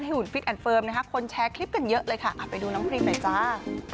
หุ่นฟิตแอนดเฟิร์มนะคะคนแชร์คลิปกันเยอะเลยค่ะไปดูน้องพรีมหน่อยจ้า